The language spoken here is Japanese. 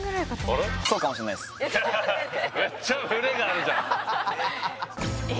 私めっちゃブレがあるじゃんえ